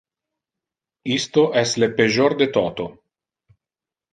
Isto es le le pejor de toto.